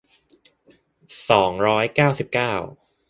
สองร้อยเก้าสิบเก้า